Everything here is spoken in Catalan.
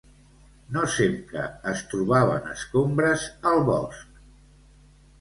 No sempre es trobaven escombres al bosc.